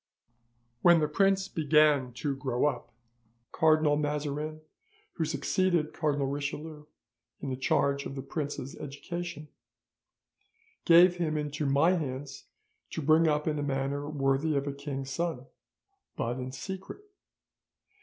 "'When the prince began to grow up, Cardinal Mazarin, who succeeded Cardinal Richelieu in the charge of the prince's education, gave him into my hands to bring up in a manner worthy of a king's son, but in secret.